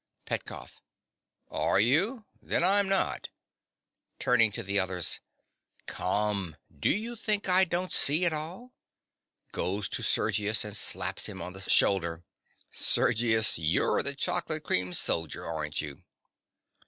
PETKOFF. Are you? Then I'm not. (Turning to the others.) Come: do you think I don't see it all? (Goes to Sergius, and slaps him on the shoulder.) Sergius: you're the chocolate cream soldier, aren't you?